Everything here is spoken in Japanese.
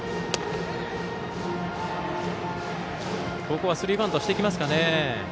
ここはスリーバントしてきますかね。